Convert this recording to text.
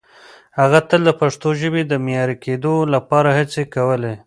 هغه تل د پښتو ژبې د معیاري کېدو لپاره هڅې کولې.